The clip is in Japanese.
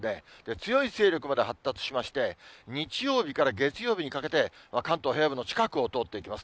強い勢力まで発達しまして、日曜日から月曜日にかけて、関東平野部の近くを通っていきます。